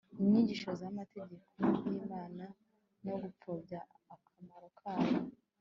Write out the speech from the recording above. inyigisho zamategeko yImana no gupfobya akamaro kayo